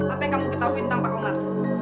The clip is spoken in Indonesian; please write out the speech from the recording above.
apa yang kamu ketahui tentang pak omar